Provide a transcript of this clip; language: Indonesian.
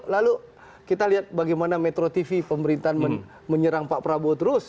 lalu kita lihat bagaimana metro tv pemerintahan menyerang pak prabowo terus